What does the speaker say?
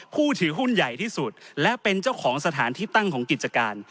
ผู้ถือหุ้นใหญ่ที่สุดและเป็นเจ้าของสถานที่ตั้งของกิจการ